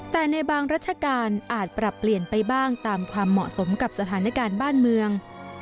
แต่ในบางรัชกาลอาจปรับเปลี่ยนไปบ้างตามความเหมาะสมกับสถานการณ์บ้านเมือง